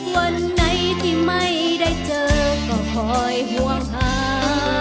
วันไหนที่ไม่ได้เจอก็คอยห่วงหา